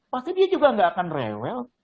pasti dia juga nggak akan real